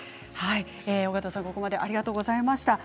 小方さん、ここまでありがとうございました。